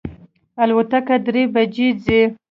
الوتکه درې بجی ځي